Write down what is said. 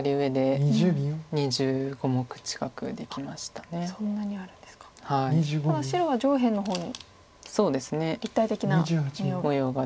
ただ白は上辺の方に立体的な模様が。